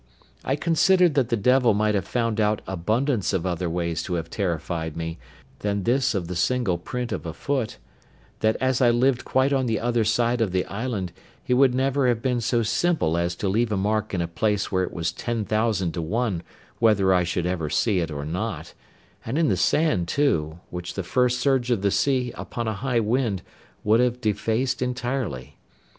I considered that the devil might have found out abundance of other ways to have terrified me than this of the single print of a foot; that as I lived quite on the other side of the island, he would never have been so simple as to leave a mark in a place where it was ten thousand to one whether I should ever see it or not, and in the sand too, which the first surge of the sea, upon a high wind, would have defaced entirely.